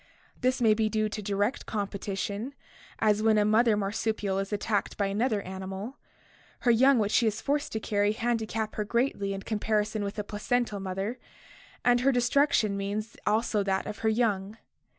This may be due to direct competition, as when a mother marsupial is attacked by another animal; her young which she is forced to carry handicap her greatly in comparison with a placental mother, and her destruction means also that of her young.